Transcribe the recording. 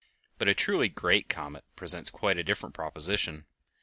But a truly great comet presents quite a different proposition.